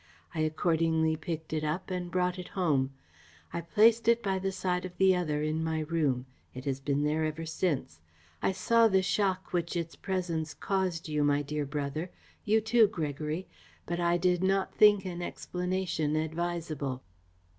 I accordingly picked it up and brought it home. I placed it by the side of the other in my room. It has been there ever since. I saw the shock which its presence caused you, my dear brother you too, Gregory but I did not think an explanation advisable."